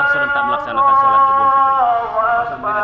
serentak melaksanakan sholat ibu